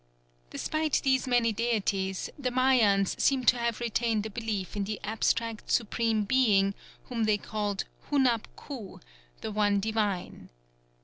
Despite these many deities, the Mayans seem to have retained a belief in an abstract Supreme Being whom they called Hunab Ku, "The One Divine."